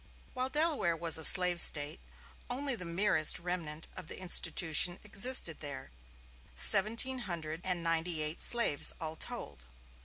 While Delaware was a slave State, only the merest remnant of the institution existed there seventeen hundred and ninety eight slaves all told.